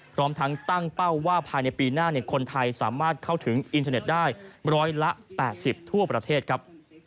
พร้อมทั้งตั้งเป้าว่าภายในปีหน้าคนไทยสามารถเข้าถึงอินเทอร์เน็ตได้๑๘๐ทั่วประเทศครับ